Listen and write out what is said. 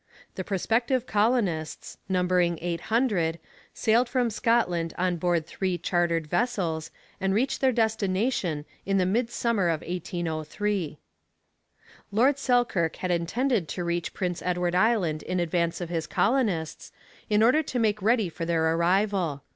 The prospective colonists, numbering eight hundred, sailed from Scotland on board three chartered vessels, and reached their destination in the midsummer of 1803. Lord Selkirk had intended to reach Prince Edward Island in advance of his colonists, in order to make ready for their arrival.